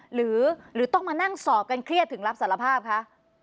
หรือต้องมานั่งสอบกันเครียดถึงรับสารภาพคะ